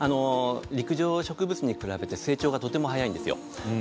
陸上植物に比べて成長が早いんです。